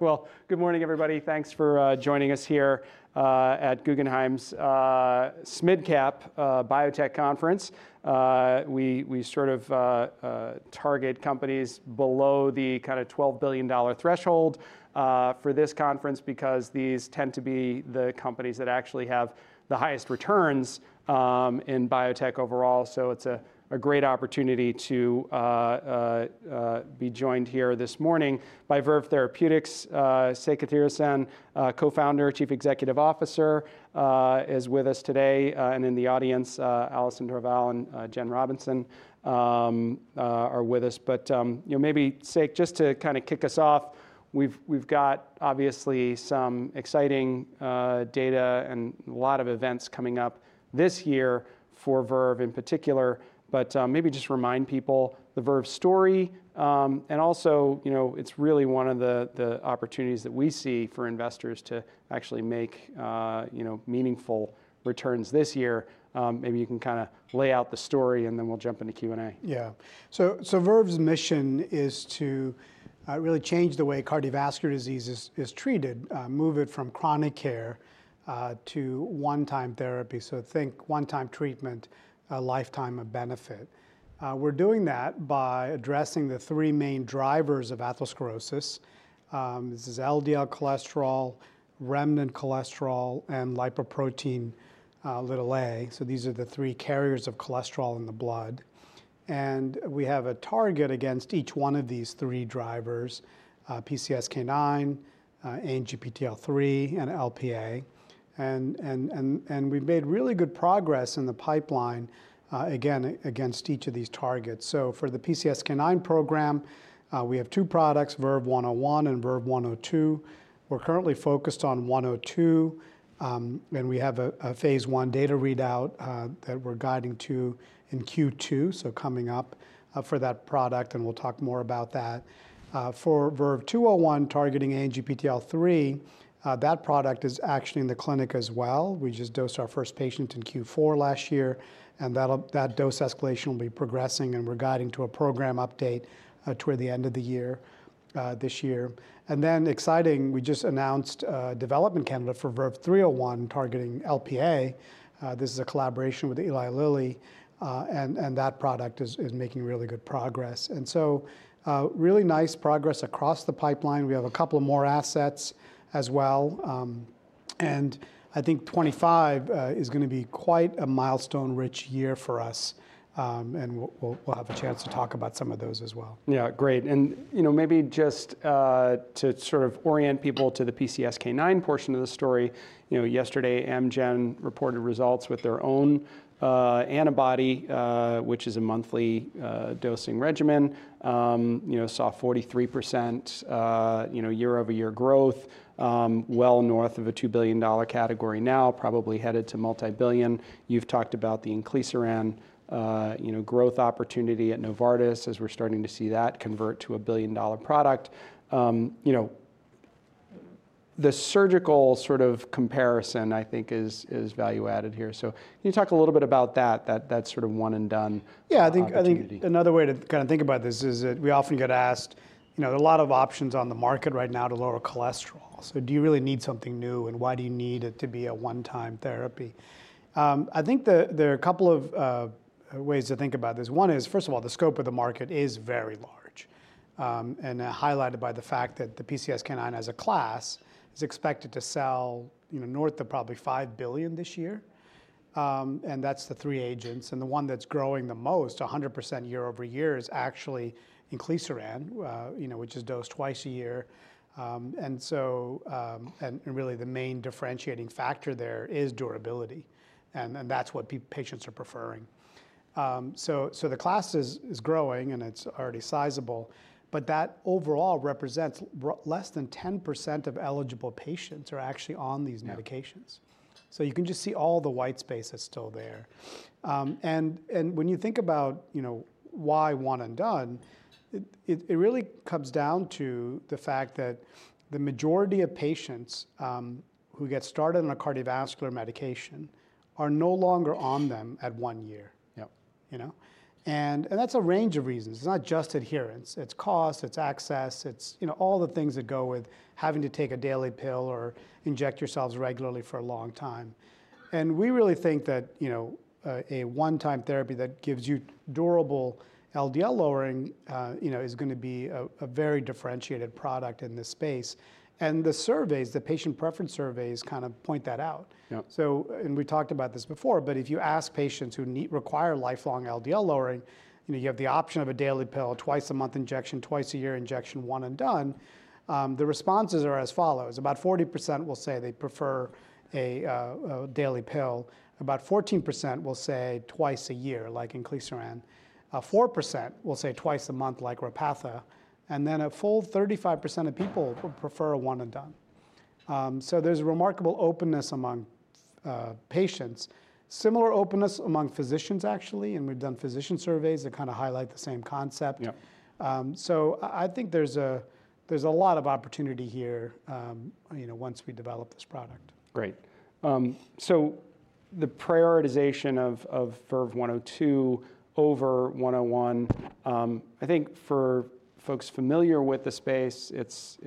Well, good morning, everybody. Thanks for joining us here at Guggenheim's SMID Cap Biotech Conference. We sort of target companies below the kind of $12 billion threshold for this conference because these tend to be the companies that actually have the highest returns in biotech overall. So it's a great opportunity to be joined here this morning by Verve Therapeutics. Sekar Kathiresan, Co-founder, Chief Executive Officer, is with us today, and in the audience, Allison Dorval and Jen Robinson are with us. But you know, maybe, Sekar, just to kind of kick us off, we've got obviously some exciting data and a lot of events coming up this year for Verve in particular. But maybe just remind people the Verve story, and also you know, it's really one of the opportunities that we see for investors to actually make you know, meaningful returns this year. Maybe you can kind of lay out the story and then we'll jump into Q&A. Yeah. So Verve's mission is to really change the way cardiovascular disease is treated, move it from chronic care to one-time therapy. So think one-time treatment, a lifetime of benefit. We're doing that by addressing the three main drivers of atherosclerosis. This is LDL cholesterol, remnant cholesterol, and Lipoprotein(a). So these are the three carriers of cholesterol in the blood. And we have a target against each one of these three drivers, PCSK9, ANGPTL3, and LPA. And we've made really good progress in the pipeline, again, against each of these targets. So for the PCSK9 program, we have two products, VERVE-101 and VERVE-102. We're currently focused on 102, and we have a phase one data readout that we're guiding to in Q2. So coming up for that product, and we'll talk more about that. For VERVE-201, targeting ANGPTL3, that product is actually in the clinic as well. We just dosed our first patient in Q4 last year, and that'll dose escalation will be progressing, and we're guiding to a program update toward the end of the year, this year. And then exciting, we just announced development candidate for VERVE-301, targeting LPA. This is a collaboration with Eli Lilly, and that product is making really good progress. And so, really nice progress across the pipeline. We have a couple of more assets as well. And I think 2025 is gonna be quite a milestone-rich year for us. And we'll have a chance to talk about some of those as well. Yeah. Great. And you know, maybe just to sort of orient people to the PCSK9 portion of the story. You know, yesterday Amgen reported results with their own antibody, which is a monthly dosing regimen. You know, saw 43% year-over-year growth, well north of a $2 billion category now, probably headed to multi-billion. You've talked about the inclisiran growth opportunity at Novartis as we're starting to see that convert to a billion-dollar product. You know, the surgical sort of comparison, I think, is value added here. So can you talk a little bit about that, that sort of one-and-done opportunity? Yeah. I think, I think another way to kind of think about this is that we often get asked, you know, there are a lot of options on the market right now to lower cholesterol. So do you really need something new and why do you need it to be a one-time therapy? I think that there are a couple of ways to think about this. One is, first of all, the scope of the market is very large, and highlighted by the fact that the PCSK9 as a class is expected to sell, you know, north of probably $5 billion this year, and that's the three agents, and the one that's growing the most, 100% year-over-year, is actually inclisiran, you know, which is dosed twice a year, and so, really the main differentiating factor there is durability, and that's what patients are preferring. So the class is growing and it's already sizable, but that overall represents less than 10% of eligible patients are actually on these medications. So you can just see all the white space that's still there, and when you think about, you know, why one-and-done, it really comes down to the fact that the majority of patients, who get started on a cardiovascular medication are no longer on them at one year. Yep. You know? And that's a range of reasons. It's not just adherence. It's cost, it's access, it's, you know, all the things that go with having to take a daily pill or inject yourselves regularly for a long time. And we really think that, you know, a one-time therapy that gives you durable LDL lowering, you know, is gonna be a very differentiated product in this space. And the surveys, the patient preference surveys kind of point that out. Yep. So, and we talked about this before, but if you ask patients who need, require lifelong LDL lowering, you know, you have the option of a daily pill, twice a month injection, twice a year injection, one-and-done. The responses are as follows. About 40% will say they prefer a daily pill. About 14% will say twice a year, like inclisiran. 4% will say twice a month, like Repatha. And then a full 35% of people prefer a one-and-done. So there's a remarkable openness among patients. Similar openness among physicians, actually. And we've done physician surveys that kind of highlight the same concept. Yep. I think there's a lot of opportunity here, you know, once we develop this product. Great. So the prioritization of VERVE-102 over 101, I think for folks familiar with the space, it's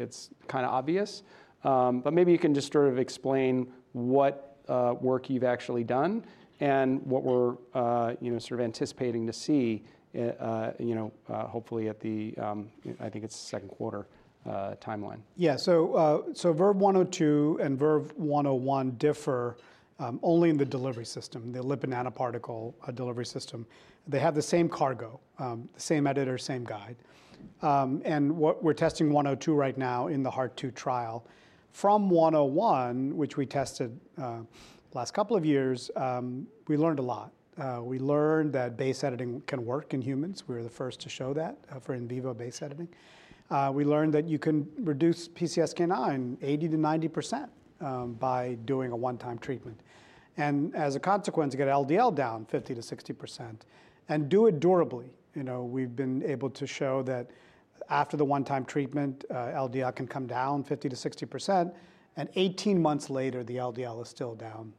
kind of obvious. But maybe you can just sort of explain what work you've actually done and what we're, you know, sort of anticipating to see, you know, hopefully at the, I think it's the second quarter timeline. Yeah. VERVE-102 and VERVE-101 differ only in the delivery system, the lipid nanoparticle delivery system. They have the same cargo, the same editor, same guide, and what we're testing 102 right now in the Heart-2 trial. From 101, which we tested last couple of years, we learned a lot. We learned that base editing can work in humans. We were the first to show that, for in vivo base editing. We learned that you can reduce PCSK9 80%-90% by doing a one-time treatment. And as a consequence, get LDL down 50%-60% and do it durably. You know, we've been able to show that after the one-time treatment, LDL can come down 50%-60%, and 18 months later, the LDL is still down,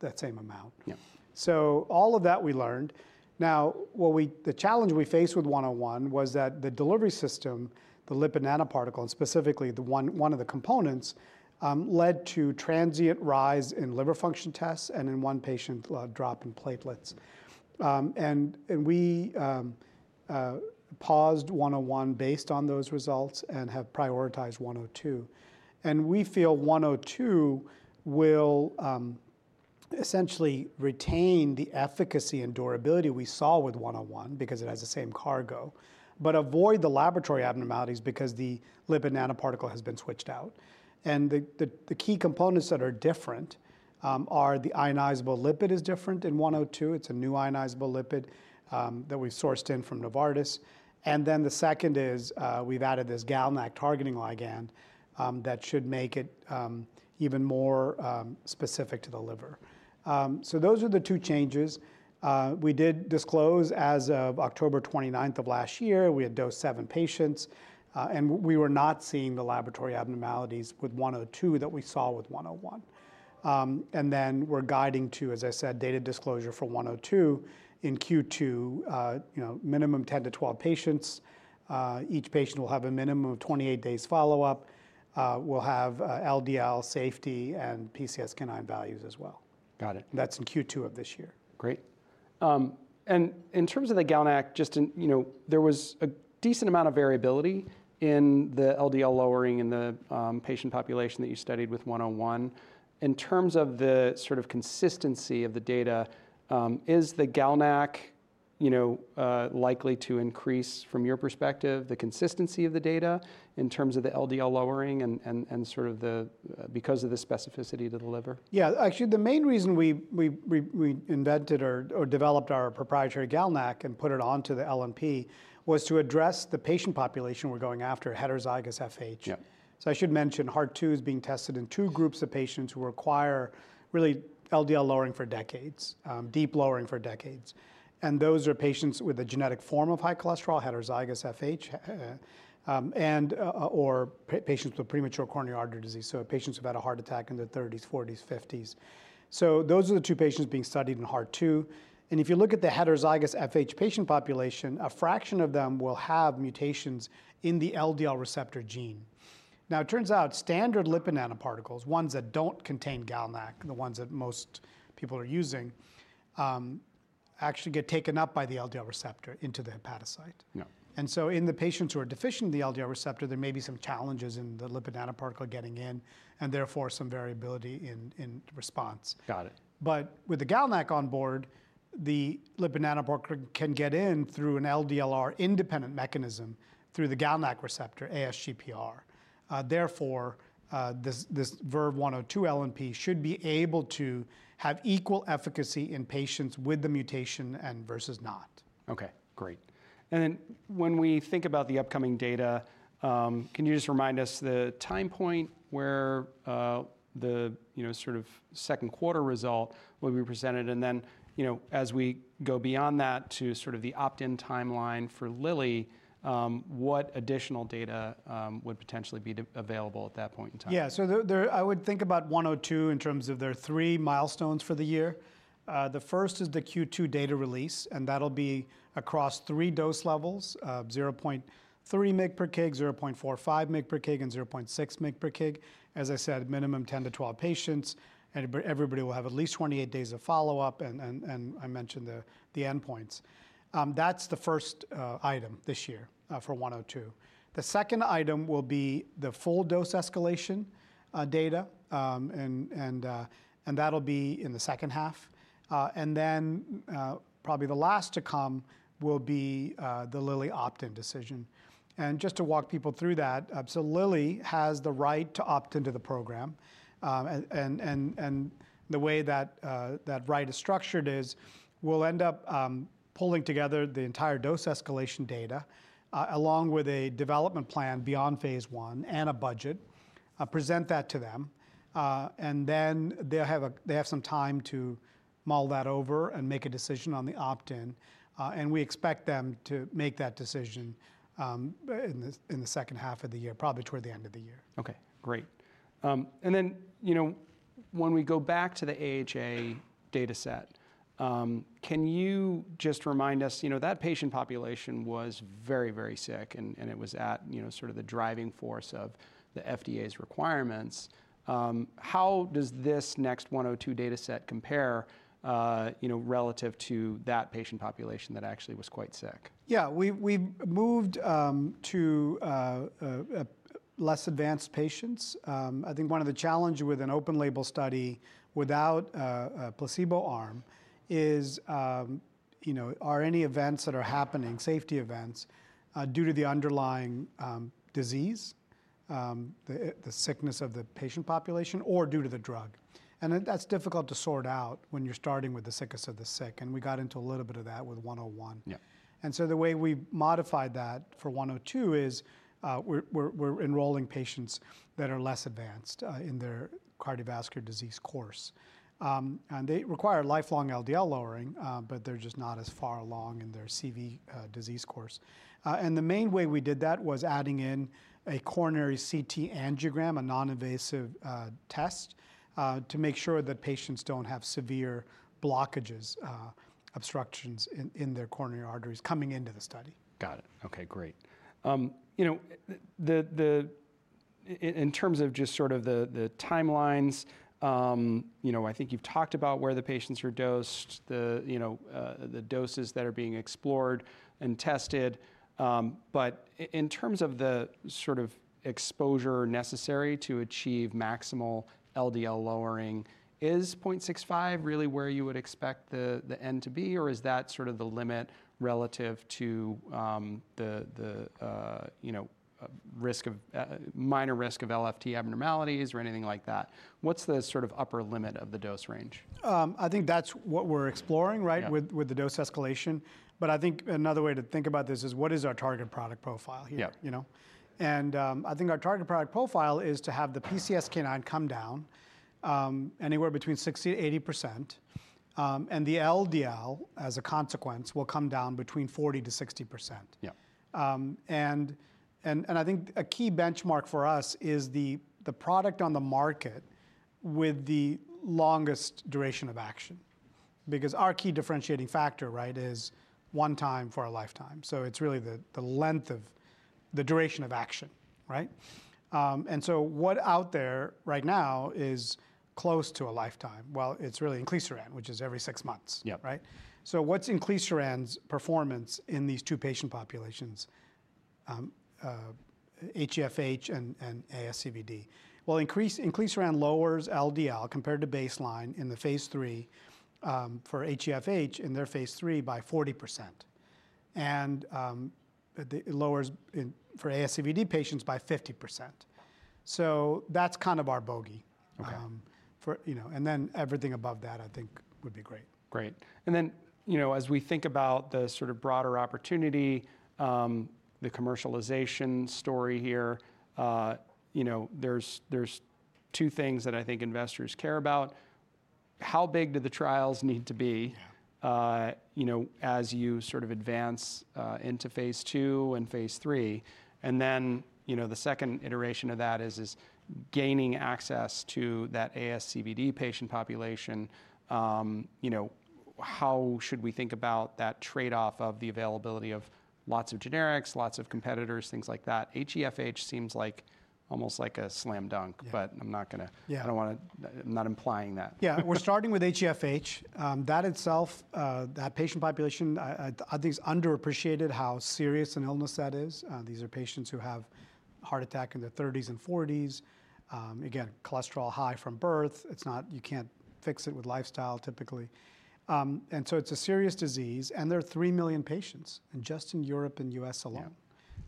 that same amount. Yep. So all of that we learned. Now, what the challenge we faced with 101 was that the delivery system, the lipid nanoparticle, and specifically one of the components, led to transient rise in liver function tests and in one patient, drop in platelets. And we paused 101 based on those results and have prioritized 102. And we feel 102 will essentially retain the efficacy and durability we saw with 101 because it has the same cargo, but avoid the laboratory abnormalities because the lipid nanoparticle has been switched out. And the key components that are different are the ionizable lipid is different in 102. It's a new ionizable lipid that we sourced in from Novartis. And then the second is, we've added this GalNAc targeting ligand that should make it even more specific to the liver. So those are the two changes. We did disclose as of October 29th of last year, we had dosed seven patients, and we were not seeing the laboratory abnormalities with 102 that we saw with 101, and then we're guiding to, as I said, data disclosure for 102 in Q2, you know, minimum 10 to 12 patients. Each patient will have a minimum of 28 days follow-up. We'll have LDL safety and PCSK9 values as well. Got it. That's in Q2 of this year. Great. And in terms of the GalNAc, just in, you know, there was a decent amount of variability in the LDL lowering in the patient population that you studied with 101. In terms of the sort of consistency of the data, is the GalNAc, you know, likely to increase from your perspective, the consistency of the data in terms of the LDL lowering and sort of the, because of the specificity to the liver? Yeah. Actually, the main reason we invented or developed our proprietary GalNAc and put it onto the LNP was to address the patient population we're going after, heterozygous FH. Yep. I should mention Heart-2 is being tested in two groups of patients who require really LDL lowering for decades, deep lowering for decades. Those are patients with a genetic form of high cholesterol, heterozygous FH, and/or patients with premature coronary artery disease. Patients who've had a heart attack in their thirties, forties, fifties. Those are the two patients being studied in Heart-2. If you look at the heterozygous FH patient population, a fraction of them will have mutations in the LDL receptor gene. Now it turns out standard lipid nanoparticles, ones that don't contain GalNAc, the ones that most people are using, actually get taken up by the LDL receptor into the hepatocyte. Yep. In the patients who are deficient in the LDL receptor, there may be some challenges in the lipid nanoparticle getting in and therefore some variability in response. Got it. But with the GalNAc on board, the lipid nanoparticle can get in through an LDLR independent mechanism through the GalNAc receptor, ASGPR. Therefore, this VERVE-102 LNP should be able to have equal efficacy in patients with the mutation and versus not. Okay. Great. And then when we think about the upcoming data, can you just remind us the time point where, you know, sort of second quarter result will be presented? And then, you know, as we go beyond that to sort of the opt-in timeline for Lilly, what additional data would potentially be available at that point in time? Yeah. So there I would think about 102 in terms of there are three milestones for the year. The first is the Q2 data release, and that'll be across three dose levels, 0.3 mg/kg, 0.45 mg/kg, and 0.6 mg/kg. As I said, minimum 10 to 12 patients, and everybody will have at least 28 days of follow-up. And I mentioned the end points. That's the first item this year for 102. The second item will be the full dose escalation data, and that'll be in the second half. And then, probably the last to come will be the Lilly opt-in decision. And just to walk people through that, so Lilly has the right to opt into the program. The way that right is structured is we'll end up pulling together the entire dose escalation data, along with a development plan beyond phase I and a budget, present that to them. Then they'll have some time to mull that over and make a decision on the opt-in. We expect them to make that decision in the second half of the year, probably toward the end of the year. Okay. Great. And then, you know, when we go back to the AHA dataset, can you just remind us, you know, that patient population was very, very sick and it was at, you know, sort of the driving force of the FDA's requirements. How does this VERVE-102 dataset compare, you know, relative to that patient population that actually was quite sick? Yeah. We moved to less advanced patients. I think one of the challenges with an open label study without a placebo arm is, you know, are any events that are happening, safety events, due to the underlying disease, the sickness of the patient population or due to the drug? And that's difficult to sort out when you're starting with the sickest of the sick. And we got into a little bit of that with 101. Yep. And so the way we modified that for 102 is, we're enrolling patients that are less advanced in their cardiovascular disease course. They require lifelong LDL lowering, but they're just not as far along in their CV disease course. The main way we did that was adding in a coronary CT angiogram, a non-invasive test, to make sure that patients don't have severe blockages, obstructions in their coronary arteries coming into the study. Got it. Okay. Great. You know, in terms of just sort of the timelines, you know, I think you've talked about where the patients are dosed, you know, the doses that are being explored and tested. But in terms of the sort of exposure necessary to achieve maximal LDL lowering, is 0.65 really where you would expect the end to be, or is that sort of the limit relative to the, you know, risk of minor LFT abnormalities or anything like that? What's the sort of upper limit of the dose range? I think that's what we're exploring, right? Yep. With the dose escalation. But I think another way to think about this is what is our target product profile here? Yep. You know? And I think our target product profile is to have the PCSK9 come down anywhere between 60%-80%, and the LDL, as a consequence, will come down between 40%-60%. Yep. I think a key benchmark for us is the product on the market with the longest duration of action, because our key differentiating factor, right, is one time for a lifetime. So it's really the length of the duration of action, right? What out there right now is close to a lifetime? It's really inclisiran, which is every six months. Yep. Right? So what's inclisiran performance in these two patient populations, HeFH and ASCVD? Well, inclisiran lowers LDL compared to baseline in their phase III for HeFH by 40%. And it lowers it for ASCVD patients by 50%. So that's kind of our bogey. Okay. for, you know, and then everything above that I think would be great. Great. And then, you know, as we think about the sort of broader opportunity, the commercialization story here, you know, there's two things that I think investors care about. How big do the trials need to be? You know, as you sort of advance into phase II and phase III, and then, you know, the second iteration of that is gaining access to that ASCVD patient population. You know, how should we think about that trade-off of the availability of lots of generics, lots of competitors, things like that? HeFH seems like almost like a slam dunk, but I'm not gonna. Yeah. I don't wanna, I'm not implying that. Yeah. We're starting with HeFH. That itself, that patient population, I think it's underappreciated how serious an illness that is. These are patients who have heart attack in their thirties and forties. Again, cholesterol high from birth. It's not. You can't fix it with lifestyle typically. And so it's a serious disease and there are three million patients just in Europe and U.S. alone. Yep.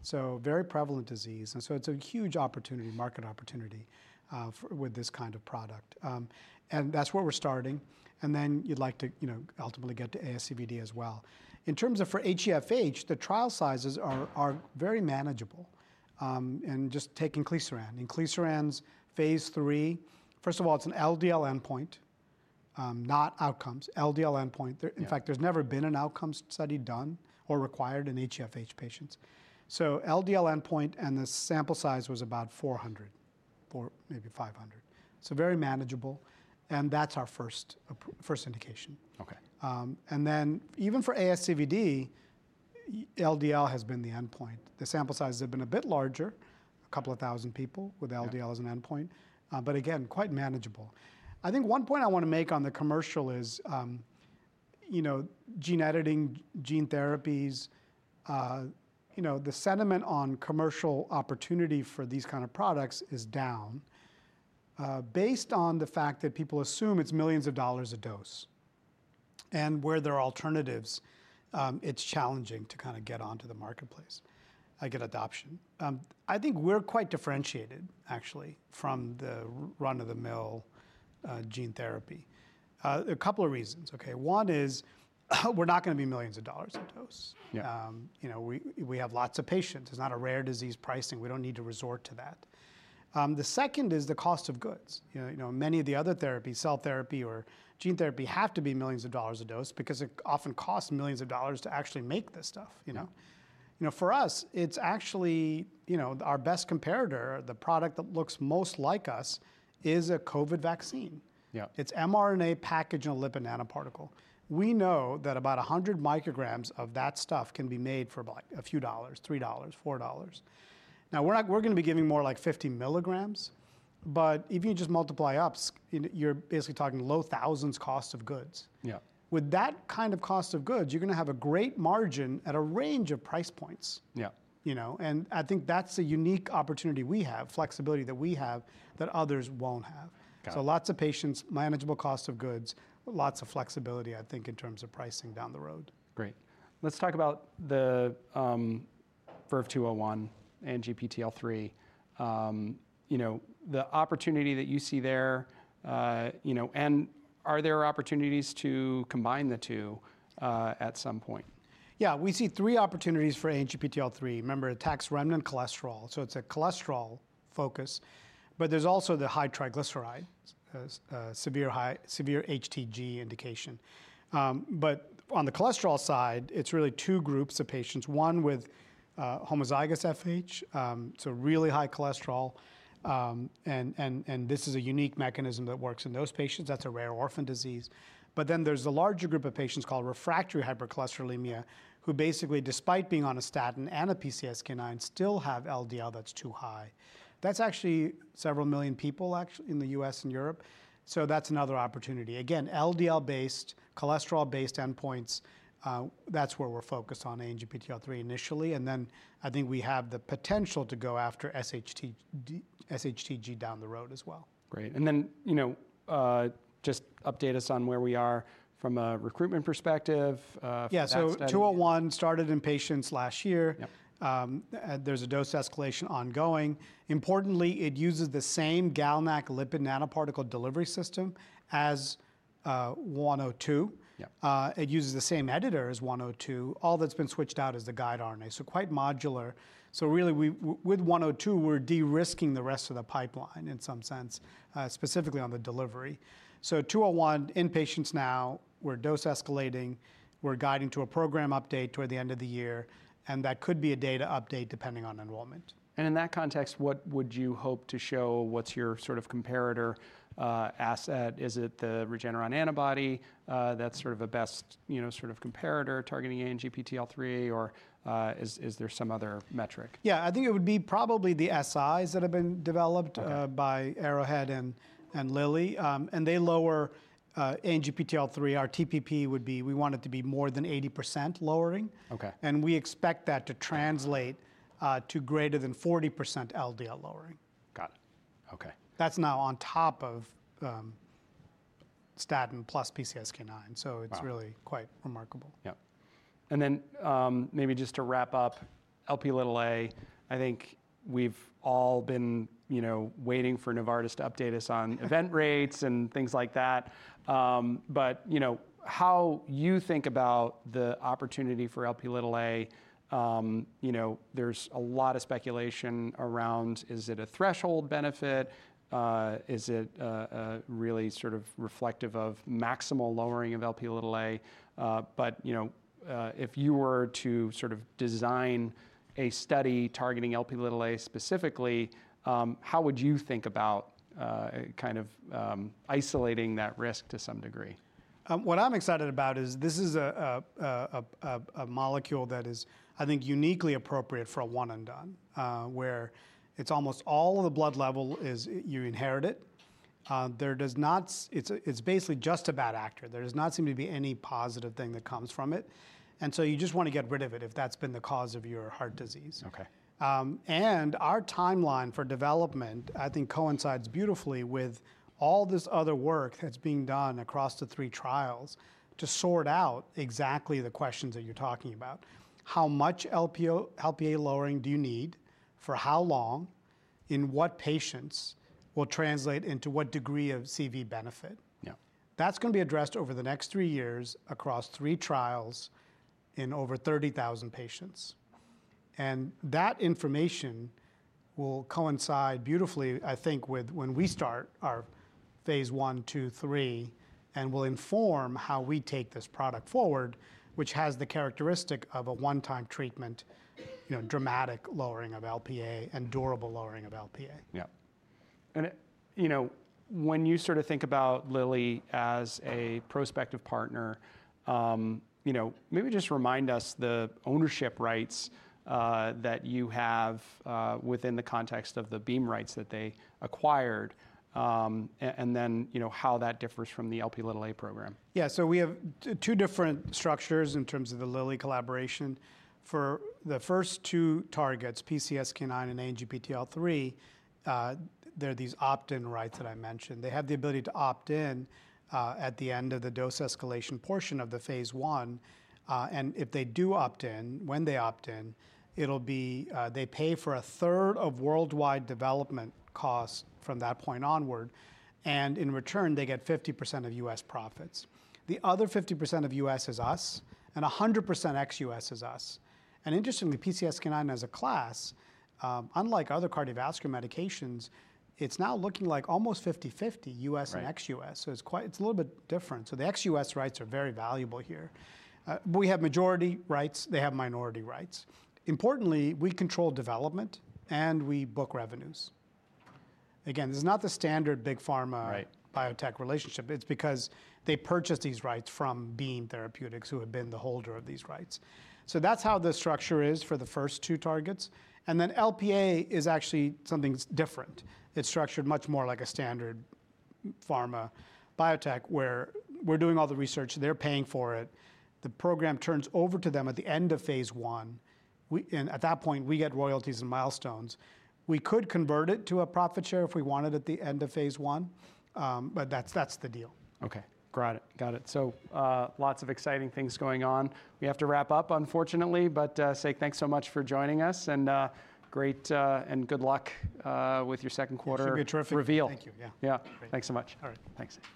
So very prevalent disease. And so it's a huge opportunity, market opportunity, for with this kind of product. And that's where we're starting. And then you'd like to, you know, ultimately get to ASCVD as well. In terms of for HeFH, the trial sizes are very manageable. And just take inclisiran. inclisiran's phase three, first of all, it's an LDL endpoint, not outcomes. LDL endpoint. Yep. In fact, there's never been an outcome study done or required in HeFH patients, so LDL endpoint and the sample size was about 400, maybe 500, so very manageable, and that's our first, first indication. Okay. And then even for ASCVD, LDL has been the endpoint. The sample size has been a bit larger, a couple of thousand people with LDL as an endpoint. But again, quite manageable. I think one point I wanna make on the commercial is, you know, gene editing, gene therapies, you know, the sentiment on commercial opportunity for these kind of products is down, based on the fact that people assume it's millions of dollars a dose. And where there are alternatives, it's challenging to kind of get onto the marketplace, get adoption. I think we're quite differentiated actually from the run-of-the-mill, gene therapy. A couple of reasons. Okay. One is we're not gonna be millions of dollars a dose. Yep. You know, we have lots of patients. It's not a rare disease pricing. We don't need to resort to that. The second is the cost of goods. You know, many of the other therapies, cell therapy or gene therapy, have to be millions of dollars a dose because it often costs millions of dollars to actually make this stuff, you know? Yep. You know, for us, it's actually, you know, our best competitor, the product that looks most like us is a COVID vaccine. Yep. It's mRNA packaged in a lipid nanoparticle. We know that about 100 micrograms of that stuff can be made for like a few dollars, $3-$4. Now we're not, we're gonna be giving more like 50 milligrams, but if you just multiply up, you know, you're basically talking low thousands cost of goods. Yep. With that kind of cost of goods, you're gonna have a great margin at a range of price points. Yep. You know, and I think that's a unique opportunity we have, flexibility that we have that others won't have. Got it. So lots of patients, manageable cost of goods, lots of flexibility I think in terms of pricing down the road. Great. Let's talk about the VERVE-201, ANGPTL3. You know, the opportunity that you see there, you know, and are there opportunities to combine the two at some point? Yeah. We see three opportunities for ANGPTL3. Remember, it attacks remnant cholesterol. So it's a cholesterol focus, but there's also the high triglyceride, severe high, severe HTG indication. But on the cholesterol side, it's really two groups of patients. One with homozygous FH, so really high cholesterol. And this is a unique mechanism that works in those patients. That's a rare orphan disease. But then there's a larger group of patients called refractory hypercholesterolemia who basically, despite being on a statin and a PCSK9, still have LDL that's too high. That's actually several million people actually in the US and Europe. So that's another opportunity. Again, LDL-based, cholesterol-based endpoints, that's where we're focused on ANGPTL3 initially. And then I think we have the potential to go after SHT, SHTG down the road as well. Great. And then, you know, just update us on where we are from a recruitment perspective, for that study. Yeah, so 201 started in patients last year. Yep. And there's a dose escalation ongoing. Importantly, it uses the same GalNAc lipid nanoparticle delivery system as 102. Yep. It uses the same editor as 102. All that's been switched out is the guide RNA. So quite modular. So really we, with 102, we're de-risking the rest of the pipeline in some sense, specifically on the delivery. So 201 in patients now, we're dose escalating, we're guiding to a program update toward the end of the year, and that could be a data update depending on enrollment. In that context, what would you hope to show? What's your sort of comparator, asset? Is it the Regeneron antibody, that's sort of a best, you know, sort of comparator targeting ANGPTL3, or is there some other metric? Yeah. I think it would be probably the siRNAs that have been developed by Arrowhead and Lilly, and they lower ANGPTL3. Our TPP would be we want it to be more than 80% lowering. Okay. We expect that to translate to greater than 40% LDL lowering. Got it. Okay. That's now on top of statin plus PCSK9. So it's really quite remarkable. Yep, and then, maybe just to wrap up, Lp(a). I think we've all been, you know, waiting for Novartis to update us on event rates and things like that. But, you know, how you think about the opportunity for Lp(a), you know, there's a lot of speculation around, is it a threshold benefit? Is it really sort of reflective of maximal lowering of Lp(a)? But, you know, if you were to sort of design a study targeting Lp(a) specifically, how would you think about kind of isolating that risk to some degree? What I'm excited about is this is a molecule that is, I think, uniquely appropriate for a one-and-done, where it's almost all of the blood level is you inherit it. It's basically just a bad actor. There does not seem to be any positive thing that comes from it, and so you just wanna get rid of it if that's been the cause of your heart disease. Okay. and our timeline for development, I think, coincides beautifully with all this other work that's being done across the three trials to sort out exactly the questions that you're talking about. How much LPA, LPA lowering do you need for how long, in what patients, will translate into what degree of CV benefit? Yep. That's gonna be addressed over the next three years across three trials in over 30,000 patients. And that information will coincide beautifully, I think, with when we start our phase I, two, three, and will inform how we take this product forward, which has the characteristic of a one-time treatment, you know, dramatic lowering of LPA and durable lowering of LPA. Yep. And, you know, when you sort of think about Lilly as a prospective partner, you know, maybe just remind us the ownership rights that you have within the context of the Beam rights that they acquired, and then, you know, how that differs from the Lp(a) program? Yeah. So we have two different structures in terms of the Lilly collaboration. For the first two targets, PCSK9 and ANGPTL3, there are these opt-in rights that I mentioned. They have the ability to opt in at the end of the dose escalation portion of the phase one, and if they do opt in, when they opt in, it'll be they pay for a third of worldwide development cost from that point onward. And in return, they get 50% of U.S. profits. The other 50% of U.S. is us and 100% XUS is us. And interestingly, PCSK9 as a class, unlike other cardiovascular medications, it's now looking like almost 50/50 U.S. and XUS. Right. So it's quite, it's a little bit different. So the XUS rights are very valuable here. We have majority rights, they have minority rights. Importantly, we control development and we book revenues. Again, this is not the standard big pharma. Right. Biotech relationship. It's because they purchase these rights from Beam Therapeutics who have been the holder of these rights. So that's how the structure is for the first two targets. And then LPA is actually something different. It's structured much more like a standard pharma biotech where we're doing all the research, they're paying for it. The program turns over to them at the end of phase one. We, and at that point, we get royalties and milestones. We could convert it to a profit share if we wanted at the end of phase one. But that's the deal. Okay. Got it. Got it. So, lots of exciting things going on. We have to wrap up, unfortunately, but say thanks so much for joining us and great, and good luck with your second quarter. It should be a terrific reveal. Thank you. Yeah. Yeah. Great. Thanks so much. All right. Thanks.